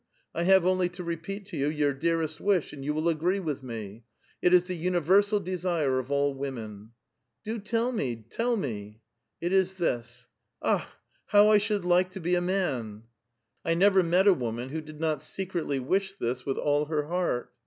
1 have only to repeat to you your dearest wish, and you will agree with me. It is the universal desire of all women." '' Do tell me, tell mo! *' "It is this: ^ ^\kh! how I should like to be a man T I never met a woman who did not secretly wish this with all her heart.